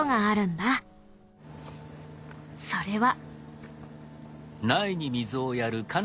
それは。